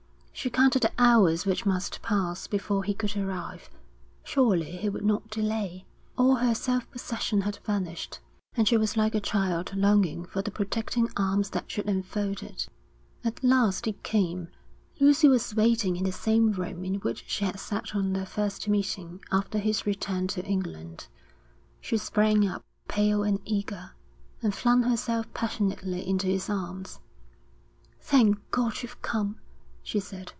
She counted the hours which must pass before he could arrive; surely he would not delay. All her self possession had vanished, and she was like a child longing for the protecting arms that should enfold it At last he came. Lucy was waiting in the same room in which she had sat on their first meeting after his return to England. She sprang up, pale and eager, and flung herself passionately into his arms. 'Thank God, you've come,' she said.